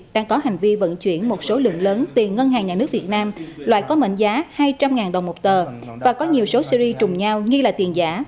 đang có hành vi vận chuyển một số lượng lớn tiền ngân hàng nhà nước việt nam loại có mệnh giá hai trăm linh đồng một tờ và có nhiều số series trùng nhau nghi là tiền giả